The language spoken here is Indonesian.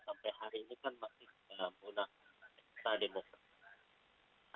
sampai hari ini kan masih tidak mudah kita demokrasi